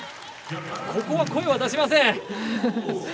ここは声を出しません。